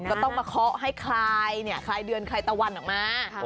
ก็ต้องมาเคาะให้คลายคลายเดือนคลายตะวันออกมา